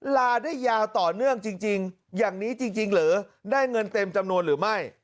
ลาได้ยาวต่อเนื่องจริงอย่างนี้จริงหรือได้เงินเต็มจำนวนหรือไม่